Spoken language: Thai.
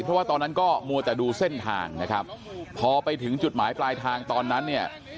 เพราะว่าตอนนั้นก็มัวแต่ดูเส้นทางนะครับพอไปถึงจุดหมายปลายทางตอนนั้นเนี่ย